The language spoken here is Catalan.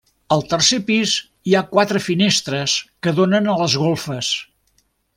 Al tercer pis hi ha quatre finestres que donen a les golfes.